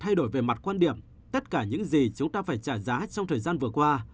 thay đổi về mặt quan điểm tất cả những gì chúng ta phải trả giá trong thời gian vừa qua